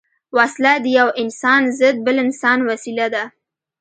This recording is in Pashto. وسله د یو انسان ضد بل انسان وسيله ده